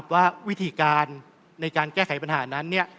ว่าวิธีการในการแก้ไขปัญหานั้น